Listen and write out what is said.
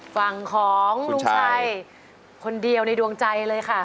ฝั่งของลุงชัยคนเดียวในดวงใจเลยค่ะ